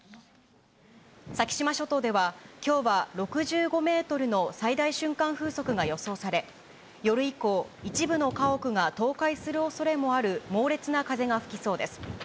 先島諸島では、きょうは６５メートルの最大瞬間風速が予想され、夜以降、一部の家屋が倒壊するおそれもある猛烈な風が吹きそうです。